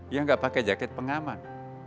yang tidak pakai jaket pengaman